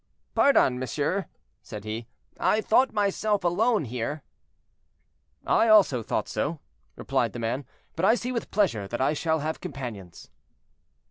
"Pardon, monsieur," said he, "I thought myself alone here." "I also thought so," replied the man, "but I see with pleasure that I shall have companions."